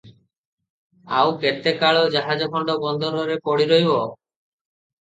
ଆଉ କେତେକାଳ ଜାହାଜଖଣ୍ଡ ବନ୍ଦରରେ ପଡ଼ି ରହିବ?